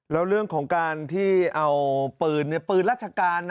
แล้วเรื่องของการที่เอาปืนปืนราชการนะ